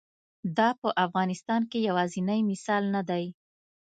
دا په افغانستان کې یوازینی مثال نه دی.